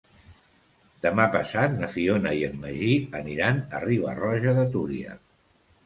Demà passat na Fiona i en Magí aniran a Riba-roja de Túria.